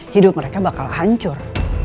hidup mereka bakal hancur